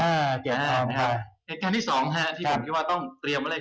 เหตุงานที่สองที่ผมคิดว่าต้องเตรียมอะไร